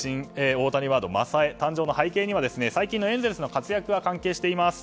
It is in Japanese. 大谷ワード「まさエ」の誕生の背景には最近のエンゼルスの活躍が関係しています。